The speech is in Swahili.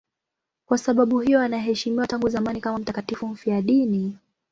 Kwa sababu hiyo anaheshimiwa tangu zamani kama mtakatifu mfiadini.